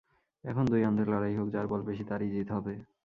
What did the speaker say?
এখন দুই অন্ধে লড়াই হোক, যার বল বেশি তারই জিত হবে।